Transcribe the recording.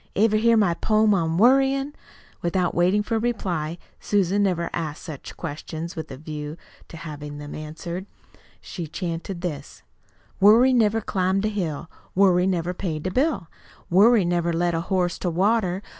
Ever hear my poem on worryin'?" Without waiting for a reply Susan never asked such questions with a view to having them answered she chanted this: "Worry never climbed a hill, Worry never paid a bill, Worry never led a horse to water.